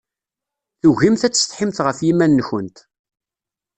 Tugimt ad tsetḥimt ɣef yiman-nkent.